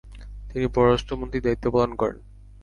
তিনি পররাষ্ট্রমন্ত্রীর দায়িত্ব পালন করেন।